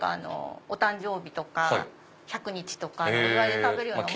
お誕生日とか１００日とかのお祝いで食べるような。